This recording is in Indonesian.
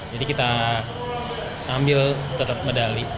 jadi kita ambil tetap medali